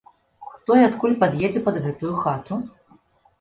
Хто і адкуль пад'едзе пад гэтую хату?